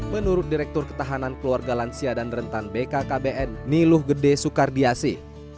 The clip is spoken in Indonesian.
menurut direktur ketahanan keluarga lansia dan rentan bkkbn niluh gede soekardiasi